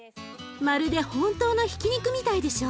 まるで本当のひき肉みたいでしょ？